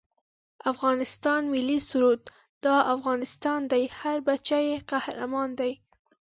د افغانستان ملي سرود دا افغانستان دی هر بچه یې قهرمان دی